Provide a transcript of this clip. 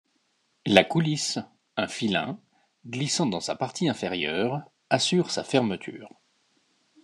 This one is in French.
La coulisse, un filin, glissant dans sa partie inférieure, assure sa fermeture.